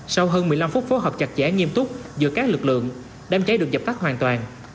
sau hơn một mươi năm phút phối hợp chặt chẽ nghiêm túc giữa các lực lượng đám cháy được dập tắt hoàn toàn